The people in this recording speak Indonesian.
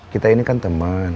kita ini kan temen